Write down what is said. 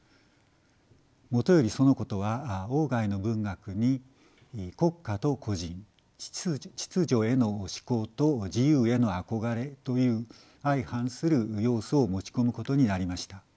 もとよりそのことは外の文学に国家と個人秩序への志向と自由への憧れという相反する要素を持ち込むことになりました。